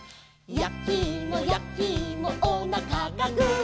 「やきいもやきいもおなかがグー」